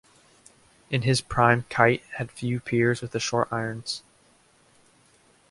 In his prime Kite had few peers with the short irons.